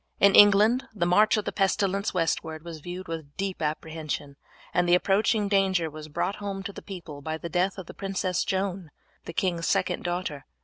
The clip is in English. In England the march of the pestilence westward was viewed with deep apprehension, and the approaching danger was brought home to the people by the death of the Princess Joan, the king's second daughter.